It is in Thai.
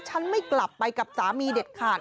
ฉันไม่กลับไปกับสามีเด็ดขาด